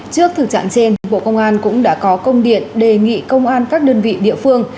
trước thực trạng trên bộ công an cũng đã có công điện đề nghị công an các đơn vị địa phương